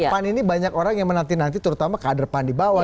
pan ini banyak orang yang menanti nanti terutama kader pan di bawah